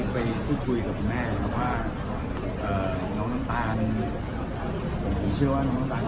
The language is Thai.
ผมก็เชื่อว่าหน้าน้องตาล